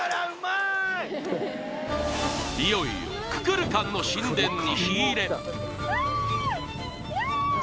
いよいよククルカンの神殿に火入れああ